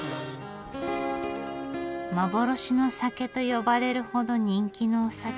「幻の酒」と呼ばれるほど人気のお酒。